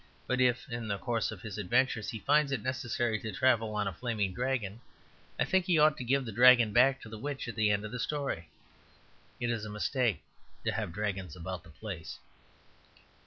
But if in the course of his adventures he finds it necessary to travel on a flaming dragon, I think he ought to give the dragon back to the witch at the end of the story. It is a mistake to have dragons about the place.